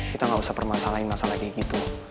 kita nggak usah permasalahin masalah kayak gitu